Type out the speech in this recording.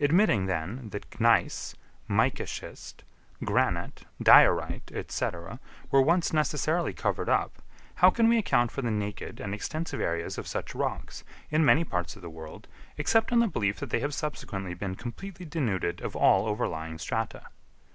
Admitting then that gneiss, mica schist, granite, diorite, &c., were once necessarily covered up, how can we account for the naked and extensive areas of such rocks in many parts of the world, except on the belief that they have subsequently been completely denuded of all overlying strata?